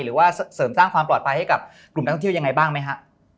หรือว่าเสริมสร้างความปลอดภัยให้กับกลุ่มนักท่องเที่ยวยังไงบ้างไหมฮะ